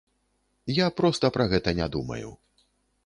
Я проста пра гэта не думаю.